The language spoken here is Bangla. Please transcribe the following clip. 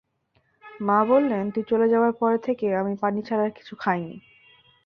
মা বললেন, তুই চলে যাবার পর থেকে আমি পানি ছাড়া আর কিছু খাইনি।